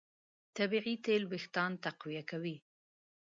طبیعي تېل وېښتيان تقویه کوي.